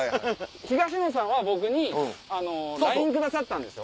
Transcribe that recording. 東野さんは僕にＬＩＮＥくださったんですよ。